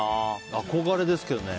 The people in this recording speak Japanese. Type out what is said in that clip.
憧れですけどね。